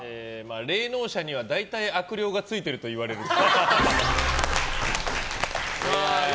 霊能者には大体悪霊がついてると言われるっぽい。